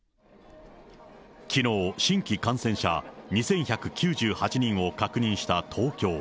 きのう新規感染者２１９８人を確認した東京。